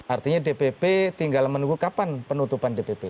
artinya dpp tinggal menunggu kapan penutupan dpp